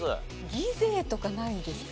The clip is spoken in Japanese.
ギゼーとかないですか？